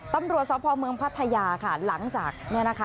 ตำรวจสพเมืองพัทยาค่ะหลังจากเนี่ยนะคะ